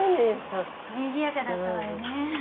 にぎやかだったわよね。